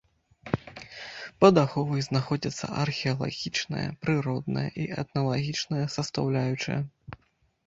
Пад аховай знаходзяцца археалагічная, прыродная і этналагічная састаўляючая.